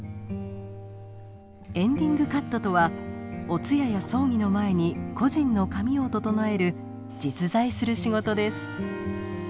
エンディングカットとはお通夜や葬儀の前に故人の髪を整える実在する仕事です。